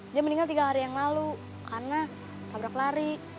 dia meninggal tiga hari yang lalu karena sabrak lari